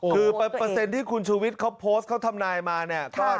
คือเปอร์เซ็นต์ที่คุณชูวิทย์เขาโพสต์เขาทำนายมาเนี่ย